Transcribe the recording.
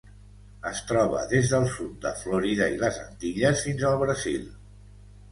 Es troba des del sud de Florida i les Antilles fins al Brasil.